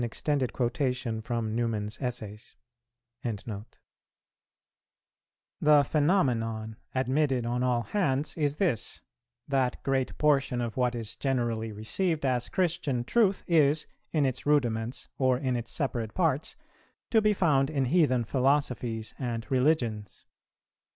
231: "The phenomenon, admitted on all hands, is this: That great portion of what is generally received as Christian truth is, in its rudiments or in its separate parts, to be found in heathen philosophies and religions.